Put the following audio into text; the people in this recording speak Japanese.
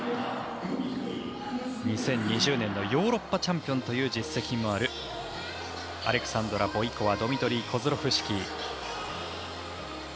２０２０年のヨーロッパチャンピオンという実績もあるアレクサンドラ・ボイコワドミトリー・コズロフシキー。